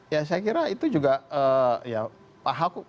ya saya kira itu juga ya pak haku